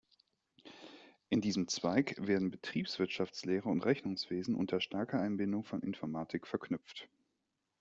In diesem Zweig werden Betriebswirtschaftslehre und Rechnungswesen unter starker Einbindung von Informatik verknüpft.